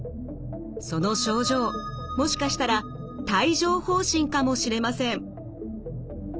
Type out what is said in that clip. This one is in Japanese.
その症状もしかしたら帯状ほう疹かもしれません。